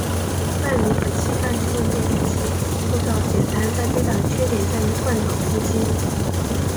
单离合器半自动变速器构造简单但最大的缺点在于换挡冲击。